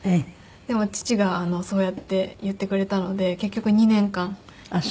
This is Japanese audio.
でも父がそうやって言ってくれたので結局２年間行く事ができて。